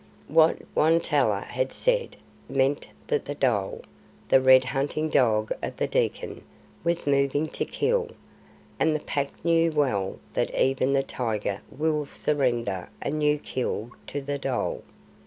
What Won tolla had said meant that the dhole, the red hunting dog of the Dekkan, was moving to kill, and the Pack knew well that even the tiger will surrender a new kill to the dhole.